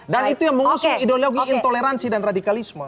dan itu yang mengusungi ideologi intoleransi dan radikalisme